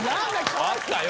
あったよ。